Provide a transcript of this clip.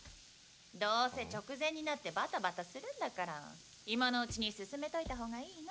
どせ直前になってバタバタするんだから今のうちに進めといた方がいいの。